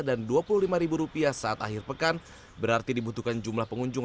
dan dua puluh lima ribu rupiah saat akhir pekan berarti dibutuhkan jumlah pengunjung